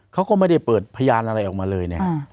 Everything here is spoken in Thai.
เขาก็ไม่ได้เปิดพยานอะไรออกมาเลยเนี่ย